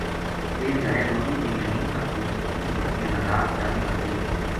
ایک دھیاڑے مولوی بنیامین کا پُوت اپنی بکریاں نا رات چارن واسطے لے گیا